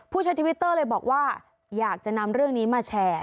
ใช้ทวิตเตอร์เลยบอกว่าอยากจะนำเรื่องนี้มาแชร์